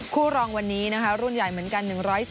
คู่รองวันนี้นะคะรุ่นใหญ่เหมือนกัน